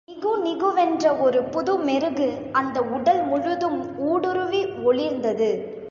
நிகு நிகுவென்ற ஒரு புது மெருகு அந்த உடல் முழுதும் ஊடுருவி ஒளிர்ந்தது.